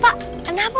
pak kenapa tuh